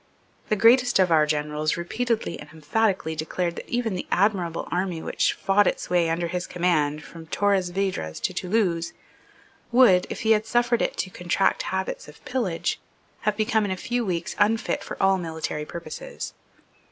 The greatest of our generals repeatedly and emphatically declared that even the admirable army which fought its way, under his command, from Torres Vedras to Toulouse, would, if he had suffered it to contract habits of pillage, have become, in a few weeks, unfit for all military purposes.